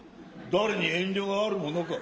誰れに遠慮があるものか。